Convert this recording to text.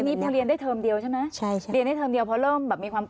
ทีนี้พูดเรียนได้เทิมเดียวใช่ไหม